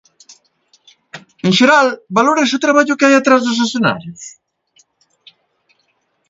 En xeral, valórase o traballo que hai atrás dos escenarios?